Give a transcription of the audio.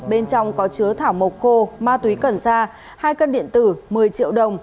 bên trong có chứa thảo mộc khô ma túy cần xa hai cân điện tử một mươi triệu đồng